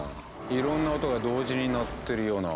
いろんな音が同時に鳴ってるような。